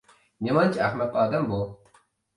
نېمانچە ئەخمەق ئادەم بۇ.